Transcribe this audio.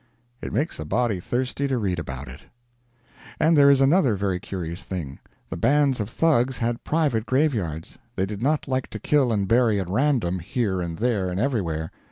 It makes a body thirsty to read about it. And there is another very curious thing. The bands of Thugs had private graveyards. They did not like to kill and bury at random, here and there and everywhere.